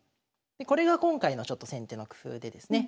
これが今回のちょっと先手の工夫でですね